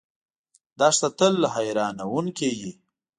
دښته تل حیرانونکې وي.